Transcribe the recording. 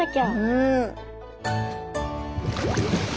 うん。